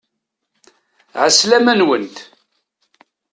Ɛeslama-nwent!